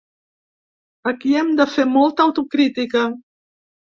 Aquí hem de fer molta autocrítica.